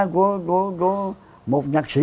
của một nhạc sĩ